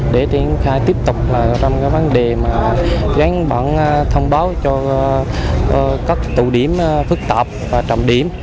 để triển khai tiếp tục trong cái vấn đề mà gắn bản thông báo cho các tụ điểm phức tạp và trọng điểm